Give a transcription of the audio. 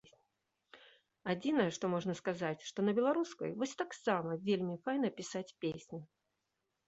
Адзінае, што можна сказаць, што на беларускай вось таксама вельмі файна пісаць песні.